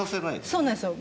そうなんですよ。